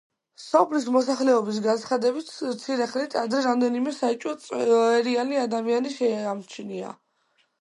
სოფლის მოსახლეობის განცხადებით მცირე ხნით ადრე რამდენიმე საეჭვო, წვერიანი ადამიანი შეამჩნია.